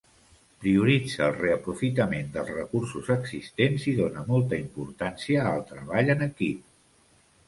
Prioritza el reaprofitament dels recursos existents i dona molta importància al treball en equip.